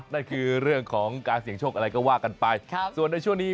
นั่นคือเรื่องของการเสี่ยงโชคอะไรก็ว่ากันไปส่วนในช่วงนี้